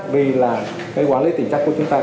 vì là cái quản lý tiền chất của chúng ta